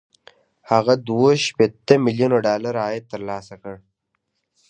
هغه دوه شپېته ميليونه ډالر عاید ترلاسه کړ